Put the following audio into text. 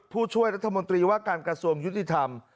ผู้ช่วยรัฐมนตรีว่าการกระทรวงยุติธรรม